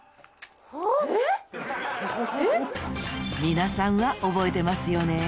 ［皆さんは覚えてますよね？］